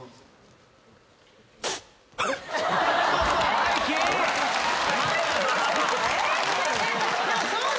マイキー嘘